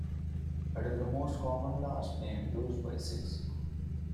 It is the most common last name used by Sikhs.